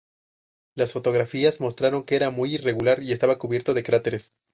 Las fotografías mostraron que era muy irregular y estaba cubierto de cráteres.